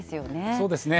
そうですね。